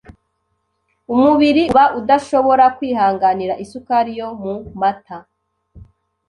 umubiri uba udashobora kwihanganira isukari yo mu mata;